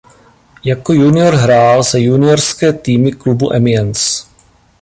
Jako junior hrál za juniorské týmy klubu Amiens.